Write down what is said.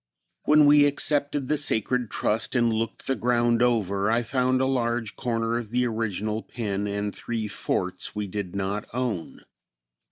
When we accepted the sacred trust and looked the ground over, I found a large corner of the original pen and three forts we did not own.